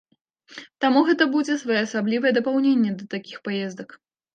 Таму гэта будзе своеасаблівае дапаўненне да такіх паездак.